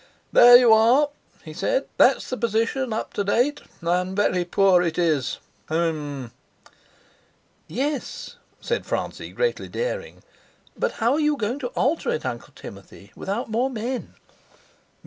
"There you are," he said; "that's the position up to date; and very poor it is. H'm!" "Yes," said Francie, greatly daring, "but how are you going to alter it, Uncle Timothy, without more men?"